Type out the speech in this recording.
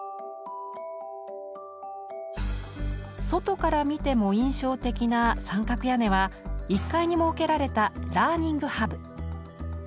外から見ても印象的な三角屋根は１階に設けられた「ラーニングハブ」。